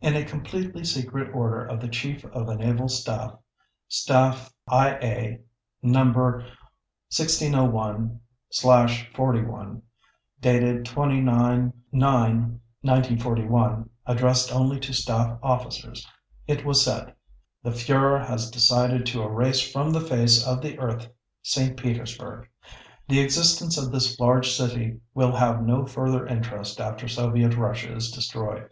In a completely secret order of the Chief of the Naval Staff (Staff Ia No. 1601/41, dated 29. IX. 1941) addressed only to Staff officers, it was said: "The Führer has decided to erase from the face of the earth St. Petersburg. The existence of this large city will have no further interest after Soviet Russia is destroyed.